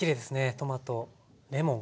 トマトレモン。